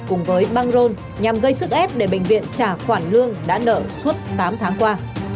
cùng với băng rôn nhằm gây sức ép để bệnh viện trả khoản lương đã nợ suốt tám tháng qua